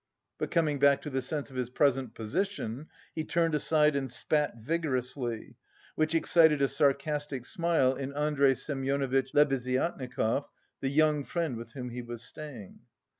But coming back to the sense of his present position, he turned aside and spat vigorously, which excited a sarcastic smile in Andrey Semyonovitch Lebeziatnikov, the young friend with whom he was staying.